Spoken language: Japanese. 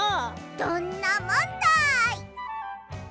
どんなもんだい！